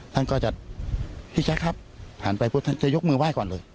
ท่านก็จะพิกัดครับผ่านไปพูดท่านจะยกมือไหว้ก่อนเลย